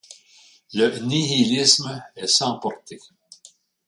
Le nihilisme est sans portée.